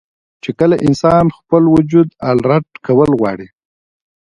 چې کله انسان خپل وجود الرټ کول غواړي